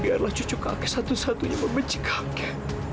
biarlah cucu kakek satu satunya membenci kakek